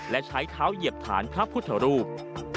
และใช้เท้าเหยียบฐานพระพุทธรูป